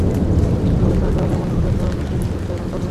তবে চার তারকা মানের হোটেলসহ বেশ কিছু সুবিধা এখনো চালু হয়নি।